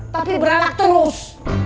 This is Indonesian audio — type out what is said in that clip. tapi beranak terus